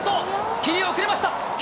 桐生、遅れました。